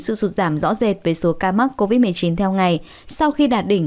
sự sụt giảm rõ rệt về số ca mắc covid một mươi chín theo ngày sau khi đạt đỉnh